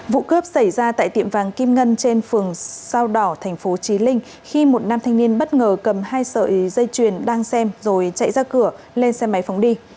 vụ cướp xảy ra tại tiệm vàng kim ngân trên phường sao đỏ thành phố trí linh khi một nam thanh niên bất ngờ cầm hai sợi dây chuyền đang xem rồi chạy ra cửa lên xe máy phóng đi